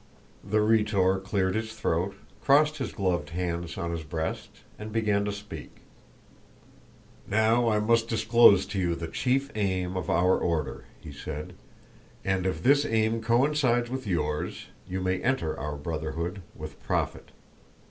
The Rhetor cleared his throat, crossed his gloved hands on his breast, and began to speak. "Now I must disclose to you the chief aim of our Order," he said, "and if this aim coincides with yours, you may enter our Brotherhood with profit.